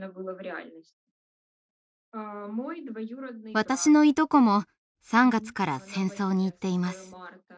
私のいとこも３月から戦争に行っています。